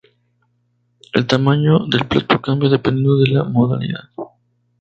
El tamaño del plato cambia dependiendo de la modalidad.